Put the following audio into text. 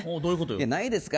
ないですか？